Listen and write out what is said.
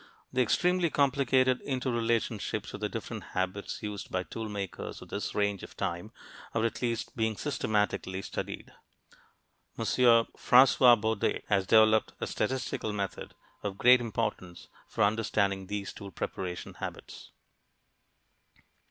The extremely complicated interrelationships of the different habits used by the tool makers of this range of time are at last being systematically studied. M. François Bordes has developed a statistical method of great importance for understanding these tool preparation habits.